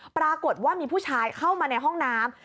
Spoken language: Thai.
ปรากฏว่ามีผู้ชายเข้ามาในห้องน้ำ